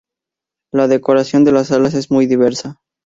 La decoración de las salas es muy diversa.